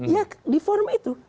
ya di forum itu